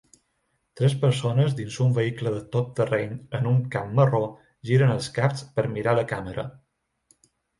Tres persones dins un vehicle de tot terreny en un camp marró giren els caps per mirar la càmera.